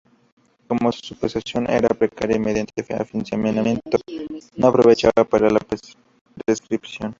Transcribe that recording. Como que su posesión era precaria y mediante afianzamiento, no aprovechaba para la prescripción.